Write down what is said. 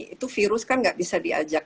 itu virus kan gak bisa diajak